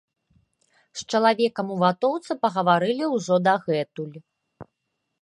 З чалавекам у ватоўцы пагаварылі ўжо дагэтуль.